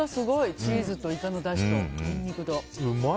チーズとイカのだしとニンニクと、うまい！